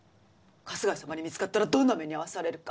春日井様に見つかったらどんな目に遭わされるか。